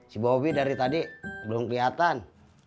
si bobi dari tadi belum kelihatan